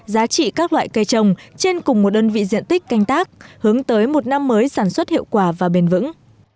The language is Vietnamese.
giá trị các loại cây trồng trên cùng một đơn vị diện tích canh tác hướng tới một năm mới sản xuất hiệu quả và bền vững